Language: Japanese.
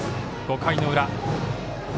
５回の裏。